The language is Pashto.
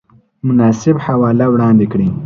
مناسبه حواله وړاندې کړئ